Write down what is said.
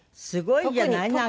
すごいじゃない。